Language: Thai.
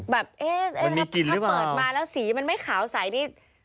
แบบเอ๊ะถ้าเปิดมาแล้วสีมันไม่ขาวใสนี่